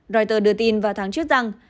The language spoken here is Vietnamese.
reuters đưa tin vào tháng trước rằng